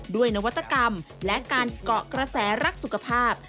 นวัตกรรมและการเกาะกระแสรักสุขภาพ